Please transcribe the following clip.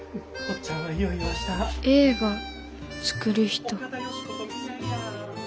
映画作る人。